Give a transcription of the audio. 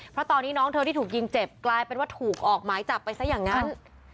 เพราะตอนนี้น้องเธอที่ถูกยิงเจ็บกลายเป็นว่าถูกออกหมายจับไปซะอย่างนั้น